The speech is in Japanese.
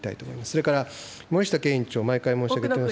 それから森下経営委員長、毎回申し上げますが。